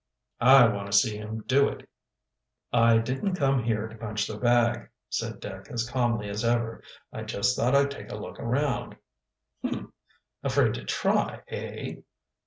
"I want to see him do it." "I didn't come here to punch the bag," said Dick as calmly as ever. "I just thought I'd take a look around." "Humph! Afraid to try, eh?"